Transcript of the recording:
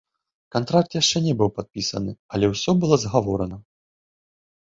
Кантракт яшчэ не быў падпісаны, але ўсё было згаворана.